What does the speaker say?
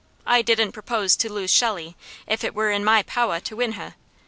I didn't propose to lose Shelley, if it were in my powah to win heh.